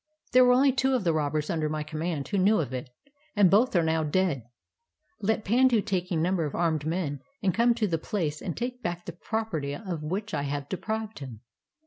There were only two of the robbers under my command who knew of it, and both are now dead. Let Pandu take a number of armed men and come to the place and take back the property of which I have deprived him.